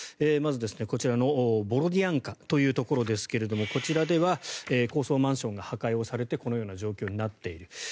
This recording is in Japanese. まずこちらのボロディアンカというところですがこちらでは高層マンションが破壊をされてこのような状況になっている。